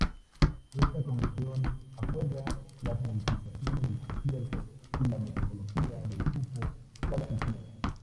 Esta comisión acuerda las modificaciones del Concierto y la metodología del cupo cada quinquenio.